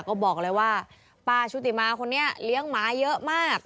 ก็บอกเลยว่าป้าชุติมาคนนี้เลี้ยงหมาเยอะมาก